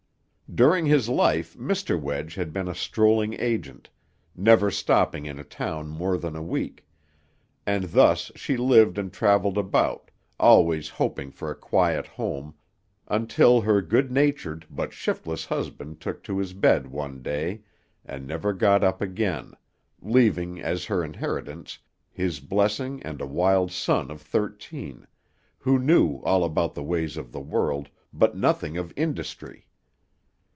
During his life Mr. Wedge had been a strolling agent, never stopping in a town more than a week; and thus she lived and travelled about, always hoping for a quiet home, until her good natured but shiftless husband took to his bed one day, and never got up again, leaving as her inheritance his blessing and a wild son of thirteen, who knew all about the ways of the world, but nothing of industry.